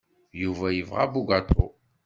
Yuba yebɣa abugaṭu.